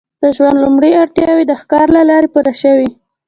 د ژوند لومړنۍ اړتیاوې د ښکار له لارې پوره شوې.